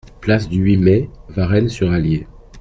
Place du huit Mai, Varennes-sur-Allier